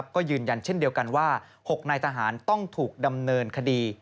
ก็ยืนยันเช่นเดียวกันว่า๖นายทหารต้องถูกดำเนินคดี